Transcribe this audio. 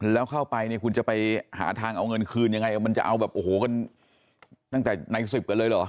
แล้วเข้าไปเนี่ยคุณจะไปหาทางเอาเงินคืนยังไงมันจะเอาแบบโอ้โหกันตั้งแต่ใน๑๐กันเลยเหรอ